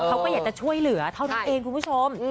เขาก็อยากจะช่วยเหลือเท่านั้นเองคุณผู้ชม